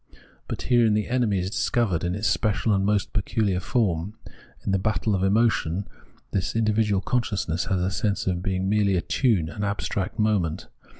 But herein the enemy is discovered in its special and most pecuhar form. In the battle of emotion this individual consciousness has the sense of being merely a tune, an abstract moment.